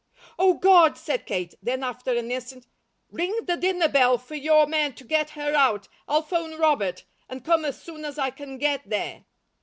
"O God!" said Kate. Then after an instant: "Ring the dinner bell for your men to get her out. I'll phone Robert, and come as soon as I can get there."